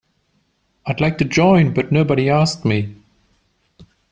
I'd like to join but nobody asked me.